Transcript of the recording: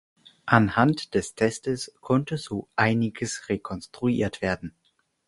Anhand des Testes konnte so einiges rekonstruiert werden.